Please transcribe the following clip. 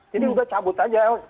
jadi sudah cabut saja